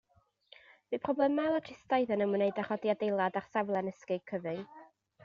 Bu problemau logistaidd yn ymwneud â chodi adeilad ar safle ynysig cyfyng.